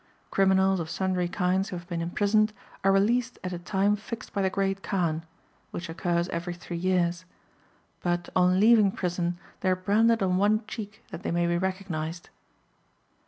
^ Criminals of sundry kinds who have been imprisoned, are released at a time fixed by the Great Kaan (which occurs every three years), but on leaving prison they are branded on one cheek that they may be recognized.